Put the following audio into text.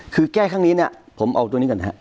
คือแก้ข้างนี้ผมเอาตัวนี้กันครับ